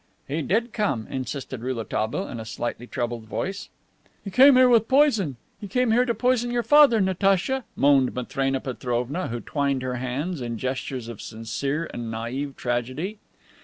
"He did come," insisted Rouletabille in a slightly troubled voice. "He came here with poison. He came here to poison your father, Natacha," moaned Matrena Petrovna, who twined her hands in gestures of sincere and naive tragedy.